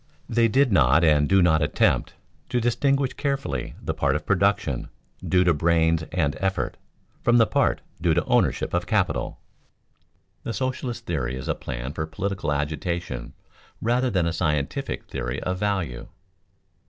They did not and do not attempt to distinguish carefully the part of production, due to brains and effort, from the part due to ownership of capital. The socialist theory is a plan for political agitation rather than a scientific theory of value.